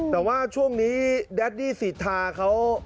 แต่ว่าช่วงนี้แดดดี้สิทธาเขา